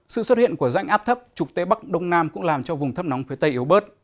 sự xuất hiện của rãnh áp thấp trục tế bắc đông nam cũng làm cho vùng thấp nóng phía tây yếu bớt